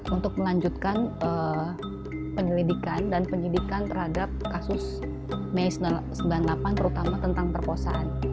untuk melanjutkan penyelidikan dan penyidikan terhadap kasus mei seribu sembilan ratus sembilan puluh delapan terutama tentang perkosaan